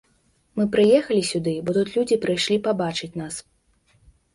Мы прыехалі сюды, бо тут людзі прыйшлі пабачыць нас.